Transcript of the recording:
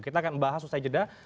kita akan membahas setelah jeda